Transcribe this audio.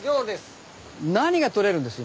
何がとれるんです？